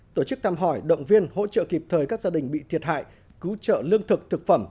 tổ chức thăm hỏi động viên hỗ trợ kịp thời các gia đình bị thiệt hại cứu trợ lương thực thực phẩm